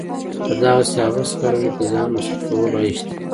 په دغسې عبث کارونو کې ځان مصرفول عيش دی.